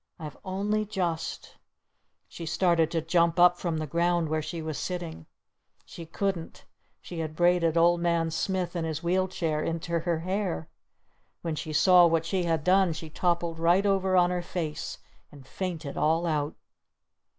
I've only just " She started to jump up from the ground where she was sitting! She couldn't! She had braided Old Man Smith and his wheel chair into her hair! When she saw what she had done she toppled right over on her face! And fainted all out!